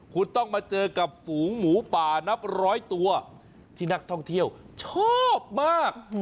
คุณต้องมาเจอกับฝูงหมูป่านับร้อยตัวที่นักท่องเที่ยวชอบมาก